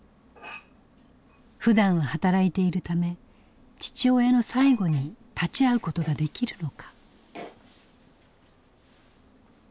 ふだんは働いているため父親の最期に立ち会うことができるのか。